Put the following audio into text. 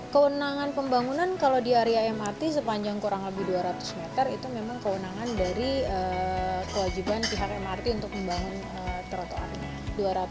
kewenangan pembangunan kalau di area mrt sepanjang kurang lebih dua ratus meter itu memang kewenangan dari kewajiban pihak mrt untuk membangun trotoar